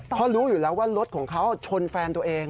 เพราะรู้อยู่แล้วว่ารถของเขาชนแฟนตัวเอง